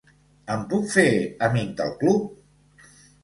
Em puc fer amic del club?